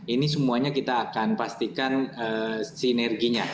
ini semuanya kita akan pastikan sinerginya